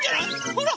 ほら！